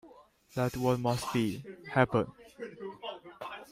Let what must be, happen.